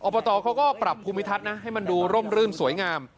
บตเขาก็ปรับภูมิทัศน์นะให้มันดูร่มรื่นสวยงาม